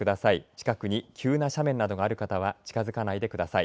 近くに急な斜面などがある方は近づかないでください。